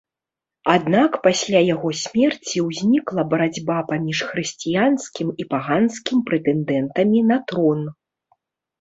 Аднак пасля яго смерці ўзнікла барацьба паміж хрысціянскім і паганскім прэтэндэнтамі на трон.